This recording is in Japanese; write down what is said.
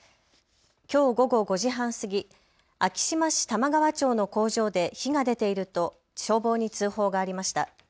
きょう午後５時半過ぎ昭島市玉川町の工場で火が出ていると消防に通報がありました。